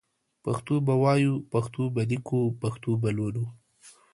پښتو به وايو پښتو به ليکو پښتو به لولو